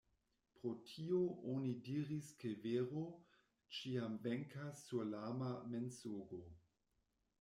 Pro tio oni diris ke vero ĉiam Venkas sur lama Mensogo.